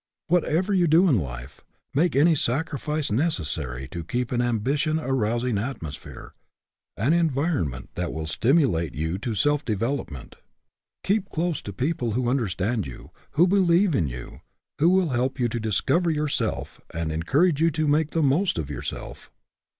Whatever you do in life, make any sacrifice necessary to keep in an ambition arousing atmosphere, an environment that will stimulate you to self development. Keep close to peo ple who understand you, who believe in you, who will help you to discover yourself and encourage you to make the most of yourself.